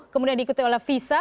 kemudian diikuti oleh visa